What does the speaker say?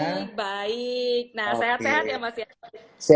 baik nah sehat sehat ya mas ya